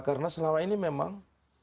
karena selama ini memang